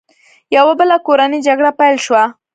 یوه بله کورنۍ جګړه پیل شوه.